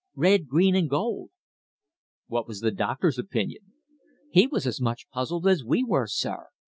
'red, green and gold!'" "What was the doctor's opinion?" "He was as much puzzled as we were, sir.